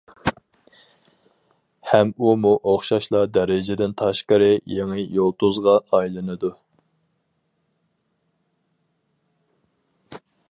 ھەم ئۇمۇ ئوخشاشلا دەرىجىدىن تاشقىرى يېڭى يۇلتۇزغا ئايلىنىدۇ.